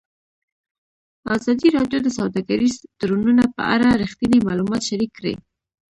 ازادي راډیو د سوداګریز تړونونه په اړه رښتیني معلومات شریک کړي.